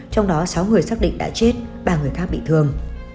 trong đó sáu người xác định đã chết ba người khác bị thương